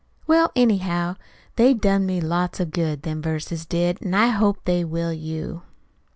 "Well, anyhow, they done me lots of good, them verses did, an' I hope they will you."